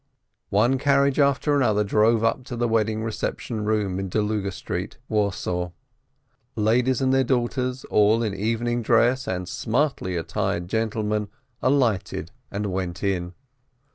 One carriage after another drove up to the wedding reception room in Dluga Street, Warsaw, ladies and their daughters, all in evening dress, and smartly attired gentlemen, alighted and went in.